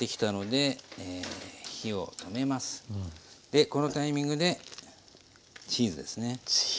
でこのタイミングでチーズですね。